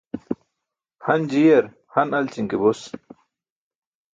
Han ji̇yar han alći̇n ke bos.